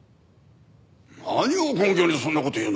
何を根拠にそんな事言うのかね？